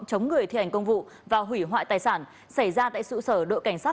chống người thi hành công vụ và hủy hoại tài sản xảy ra tại trụ sở đội cảnh sát